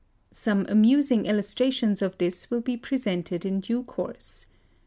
Some amusing illustrations of this will be presented in due course.